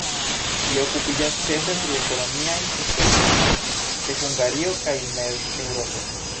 Li okupiĝas ĉefe pri ekonomiaj historioj de Hungario kaj Mez-Eŭropo.